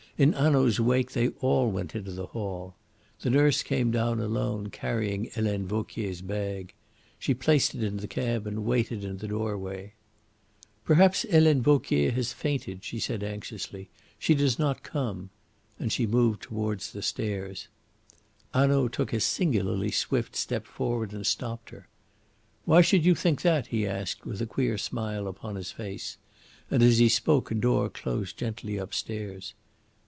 In Hanaud's wake they all went out into the hall. The nurse came down alone carrying Helene Vauquier's bag. She placed it in the cab and waited in the doorway. "Perhaps Helene Vauquier has fainted," she said anxiously: "she does not come." And she moved towards the stairs. Hanaud took a singularly swift step forward and stopped her. "Why should you think that?" he asked, with a queer smile upon his face, and as he spoke a door closed gently upstairs.